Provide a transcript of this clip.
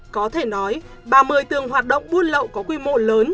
có thể nói ba mươi tường hoạt động buôn lậu có quy mô lớn